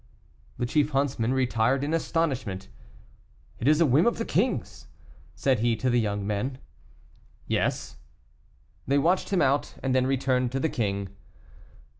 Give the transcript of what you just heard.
The chief huntsman retired in astonishment. "It is a whim of the king's," said he to the young men. "Yes." They watched him out, and then returned to the king.